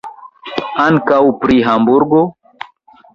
Ankaŭ pri Hamburgo?